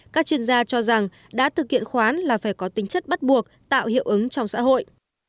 các chuyên gia cho rằng đã thực hiện khoán là phải có tính chất bắt buộc tạo hiệu ứng trong xã hội